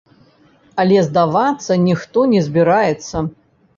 Але здавацца ніхто не збіраецца.